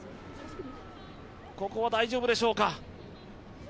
ここは大丈夫でしょうか。